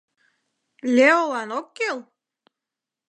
Леолан ок кӱл?!